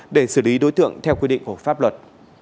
để xử lý đối tượng theo quy định của pháp luật